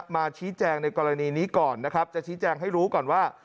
มาชี้แจงในกรณีนี้ก่อนนะครับจะชี้แจงให้รู้ก่อนว่า